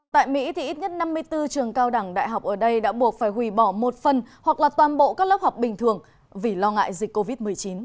tại mỹ thì ít nhất năm mươi bốn trường cao đẳng đại học ở đây đã buộc phải hủy bỏ một phần hoặc là toàn bộ các lớp học bình thường vì lo ngại dịch covid một mươi chín